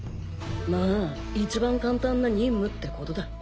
まあいちばん簡単な任務ってことだ。